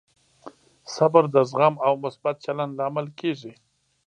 صبر د زغم او مثبت چلند لامل کېږي.